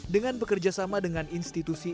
dengan bekerjasama dengan institusi